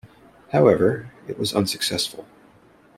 However, it was unsuccessful.